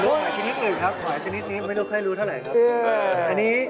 หอยชนิดอื่นครับหอยชนิดนี้ไม่รู้ค่อยรู้เท่าไหร่ครับ